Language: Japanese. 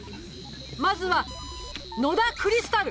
まずは野田クリスタル！